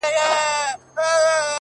له پاڼې ـ پاڼې اوستا سره خبرې وکړه;